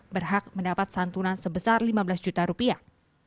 berhak mendapat santunan sebesar lima belas juta rupiah